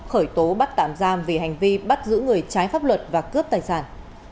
tình vĩnh phúc khởi tố bắt tạm giam vì hành vi bắt giữ người trái pháp luật và cướp tài sản